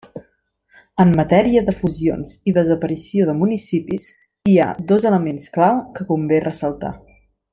En matèria de fusions i desaparició de municipis hi ha dos elements clau que convé ressaltar.